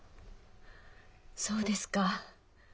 そうですか。